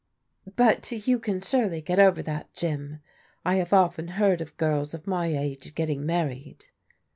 " But you can surely get over that, Jim. I have often heard of girls of my age getting married."